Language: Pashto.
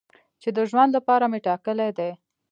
چې د ژوند لپاره مې ټاکلی دی.